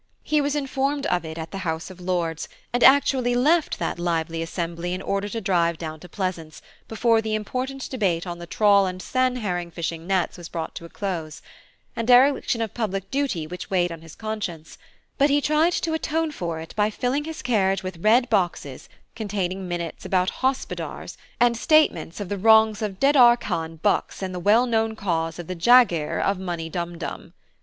He was informed of it at the House of Lords, and actually left that lively assembly in order to drive down to Pleasance, before the important debate on the Trawl and Seine herring fishing nets was brought to a close, a dereliction of public duty which weighed on his conscience; but he tried to atone for it by filling his carriage with red boxes containing minutes about Hospodars, and statements of the wrongs of Dedarkhan Bux in the well known cause of the Jaghire of Munnydumdum.